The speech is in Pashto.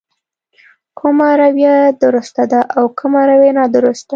کومه رويه درسته ده او کومه رويه نادرسته.